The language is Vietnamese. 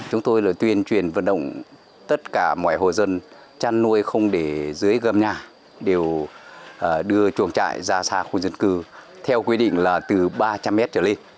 chúng tôi tuyên truyền vận động tất cả mọi hộ dân chăn nuôi không để dưới gâm nhà đều đưa chuồng trại ra xa khu dân cư theo quy định là từ ba trăm linh m trở lên